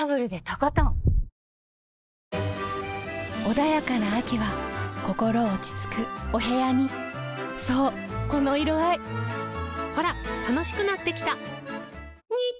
穏やかな秋は心落ち着くお部屋にそうこの色合いほら楽しくなってきた！